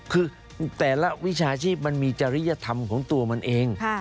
คือแต่ละวิชาชีพมันมีจริยธรรมของตัวมันเอง